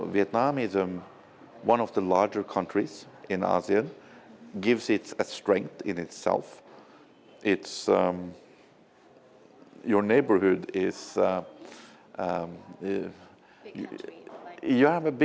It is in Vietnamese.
vì vậy chúng tôi sẽ có một văn hóa năng lượng trong tương lai